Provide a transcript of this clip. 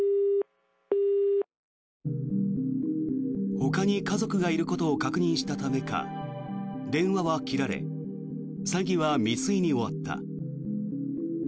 ほかに家族がいることを確認したためか電話は切られ詐欺は未遂に終わった。